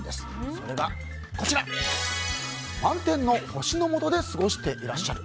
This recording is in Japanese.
それが、満天の星のもとで過ごしていらっしゃる。